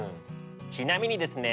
ちなみにですね